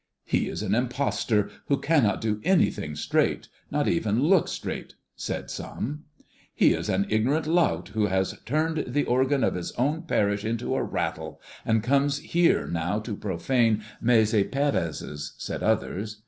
"He is an impostor who cannot do anything straight, not even look straight," said some. "He is an ignorant lout, who has turned the organ of his own parish into a rattle, and comes here now to profane Maese Pérez's," said others.